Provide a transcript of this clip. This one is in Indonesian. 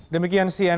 demikian terima kasih